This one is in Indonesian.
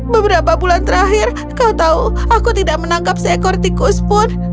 beberapa bulan terakhir kau tahu aku tidak menangkap seekor tikus pun